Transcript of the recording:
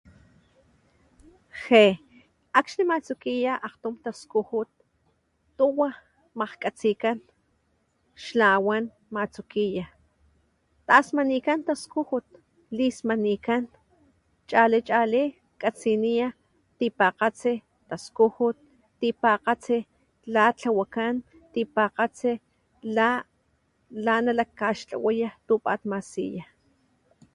Je, akxní matsukiya aktum taskujut, tuwa makgatsikan, xlawan matsukiya, tasmanikan taskujut lismanikan chali chali katsiniya tipagatsi taskujut tipagatsi latlawakan tipakgatsi, la lanalakkaxtlawa tu pat masiya